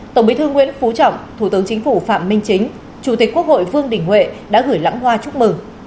tổng bí thư nguyễn phú trọng thủ tướng chính phủ phạm minh chính chủ tịch quốc hội vương đình huệ đã gửi lãng hoa chúc mừng